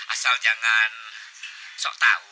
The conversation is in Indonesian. asal jangan sok tahu